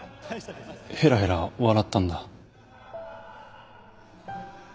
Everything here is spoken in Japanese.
へらへら笑ったんだ。